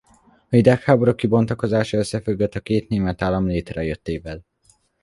A hidegháború kibontakozása összefüggött a két német állam létrejöttével.